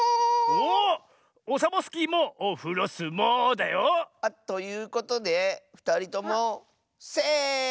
おっオサボスキーもオフロスモウーだよ。ということでふたりともセーフ！